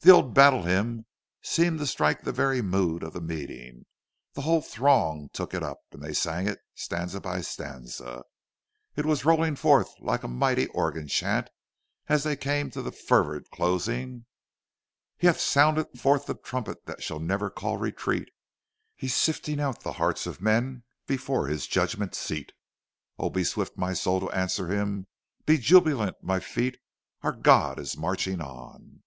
The old battle hymn seemed to strike the very mood of the meeting; the whole throng took it up, and they sang it, stanza by stanza. It was rolling forth like a mighty organ chant as they came to the fervid closing:— "He hath sounded forth the trumpet that shall never call retreat; He is sifting out the hearts of men before his judgment seat; Oh! be swift, my soul, to answer Him; be jubilant, my feet,— Our God is marching on!"